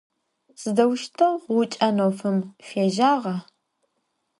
Sıdeuşteu ğuç'en 'ofım fêjağa?